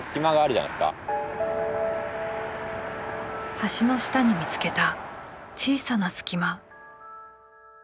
橋の下に見つけた小さなすき間。